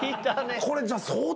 これじゃ。